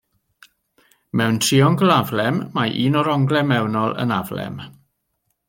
Mewn triongl aflem, mae un o'r onglau mewnol yn aflem.